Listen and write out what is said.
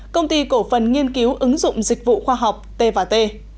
công ty cổ phần nghiên cứu ứng dụng dịch vụ khoa học t t